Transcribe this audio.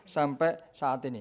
sampai saat ini